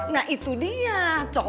nah itu dia cocok